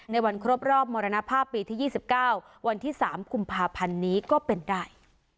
ในวันครบรอบมรณภาพปีที่๒๙วันที่๓กุมภาพันธ์นี้ก็เป็นได้